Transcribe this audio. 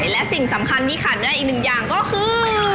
และสิ่งสำคัญที่ขาดเนื้ออีกหนึ่งอย่างก็คือ